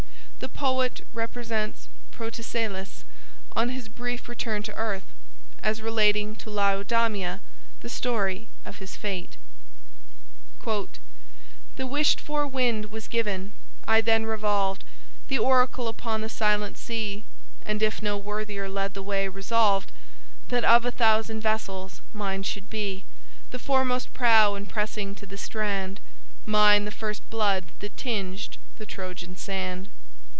The poet represents Protesilaus, on his brief return to earth, as relating to Laodamia the story of his fate: "'The wished for wind was given; I then revolved The oracle, upon the silent sea; And if no worthier led the way, resolved That of a thousand vessels mine should be The foremost prow impressing to the strand, Mine the first blood that tinged the Trojan sand.